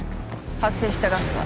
発生したガスは？